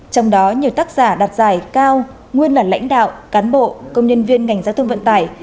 trong đó nhiều tác giả đặt giải cao nguyên là lãnh đạo cán bộ công nhân viên ngành giao thông vận tải